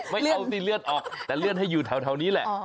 ไม่เอาสิเลือดออกแต่เลื่อนให้อยู่แถวนี้แหละ